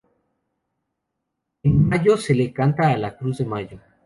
En mayo se le canta a la "Cruz de Mayo".